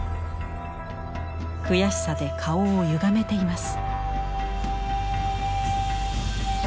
悔しさで顔をゆがめています。